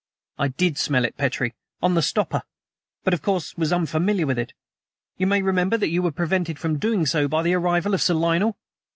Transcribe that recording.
"I did smell it, Petrie, on the stopper, but, of course, was unfamiliar with it. You may remember that you were prevented from doing so by the arrival of Sir Lionel?